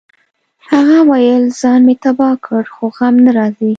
هغه ویل ځان مې تباه کړ خو غم نه راځي